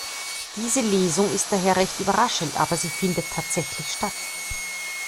Diese Lesung ist daher recht überraschend, aber sie findet tatsächlich statt.